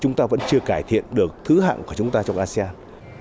chúng ta vẫn chưa cải thiện được thứ hạng của chúng ta trong asean